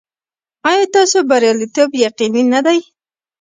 ایا ستاسو بریالیتوب یقیني نه دی؟